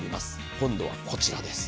今度はこちらです。